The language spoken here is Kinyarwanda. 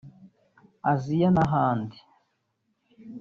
Azia n’ahandi